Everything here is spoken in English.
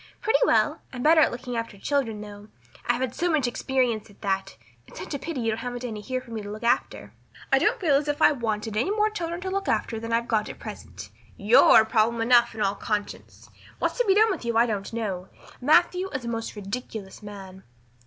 "Pretty well. I'm better at looking after children, though. I've had so much experience at that. It's such a pity you haven't any here for me to look after." "I don't feel as if I wanted any more children to look after than I've got at present. You're problem enough in all conscience. What's to be done with you I don't know. Matthew is a most ridiculous man."